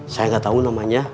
saya gak tahu namanya